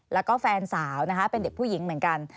แล้วก็แฟนสาวนะคะเป็นเด็กผู้หญิงเหมือนกัน